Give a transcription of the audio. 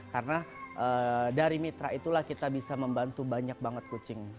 karena dari mitra itulah kita bisa membantu banyak banget kucing